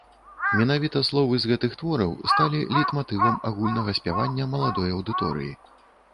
Менавіта словы з гэтых твораў сталі лейтматывам агульнага спявання маладой аўдыторыі.